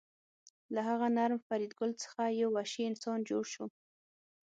له هغه نرم فریدګل څخه یو وحشي انسان جوړ شو